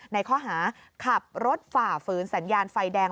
ในข้อหาขับรถฝ่าฝืนสัญญาณไฟแดง